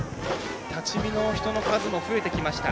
立ち見の人の数も増えてきました。